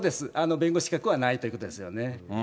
弁護士資格はないということですよね。